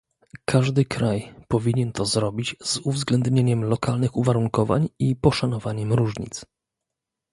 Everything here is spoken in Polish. Każdy kraj powinien to zrobić z uwzględnieniem lokalnych uwarunkowań i poszanowaniem różnic